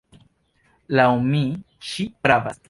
Laŭ mi, ŝi pravas.